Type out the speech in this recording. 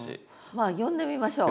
まあ呼んでみましょう。